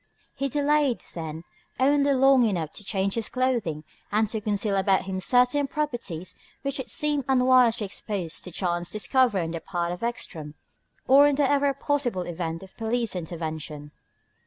He delayed, then, only long enough to change his clothing and to conceal about him certain properties which it seemed unwise to expose to chance discovery on the part of Ekstrom or in the ever possible event of police intervention.